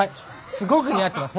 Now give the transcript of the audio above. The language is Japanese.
すごく似合ってます